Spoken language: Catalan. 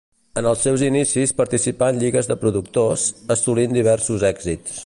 En els seus inicis participà en lligues de productors, assolint diversos èxits.